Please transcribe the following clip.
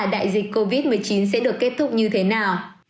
đại dịch covid một mươi chín sẽ được kết thúc như thế nào